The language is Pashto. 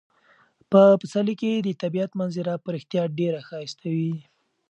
په پسرلي کې د طبیعت منظره په رښتیا ډیره ښایسته وي.